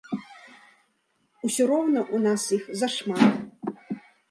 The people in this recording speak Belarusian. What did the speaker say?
Усё роўна у нас іх зашмат.